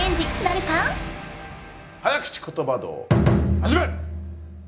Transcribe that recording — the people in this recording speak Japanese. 早口ことば道はじめ！